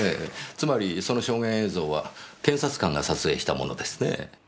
つまりその証言映像は検察官が撮影したものですね。